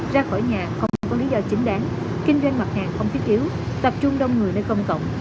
ra khỏi nhà không có lý do chính đáng kinh doanh mặt hàng không thiết yếu tập trung đông người nơi công cộng